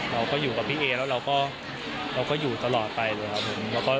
เราก็อยู่กับพี่เอแล้วเราก็อยู่ตลอดไปเลยครับผม